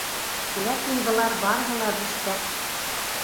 Ләкин былар барыһы ла бүстәк.